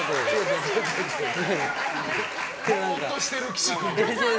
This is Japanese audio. ぼーっとしている岸君。